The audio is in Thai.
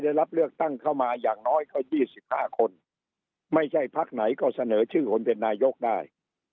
ได้รับเลือกตั้งเข้ามาอย่างน้อยก็๒๕คนไม่ใช่พักไหนก็เสนอชื่อคนเป็นนายกได้